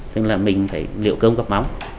tức là mình phải liệu công gặp móng